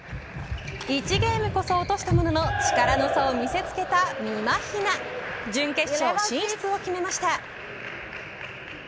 １ゲームこそ落としたものの力の差を見せ付けたみまひな準決勝進出を決めました。